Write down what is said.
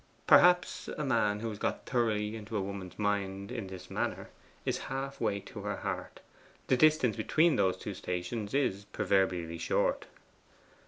Perhaps a man who has got thoroughly into a woman's mind in this manner, is half way to her heart; the distance between those two stations is proverbially short.